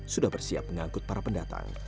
sudah bersiap mengangkut para pendatang